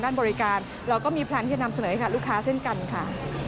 บริการเราก็มีแพลนที่จะนำเสนอให้กับลูกค้าเช่นกันค่ะ